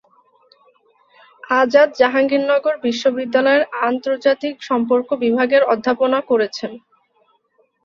আজাদ জাহাঙ্গীরনগর বিশ্ববিদ্যালয়ের আন্তর্জাতিক সম্পর্ক বিভাগের অধ্যাপনা করেছেন।